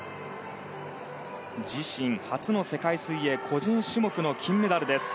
自身初の世界水泳個人種目の金メダルです。